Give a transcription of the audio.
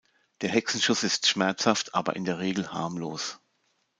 Der Hexenschuss ist schmerzhaft, aber in der Regel harmlos.